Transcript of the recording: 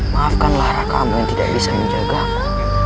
maafkanlah kamu yang tidak bisa menjagamu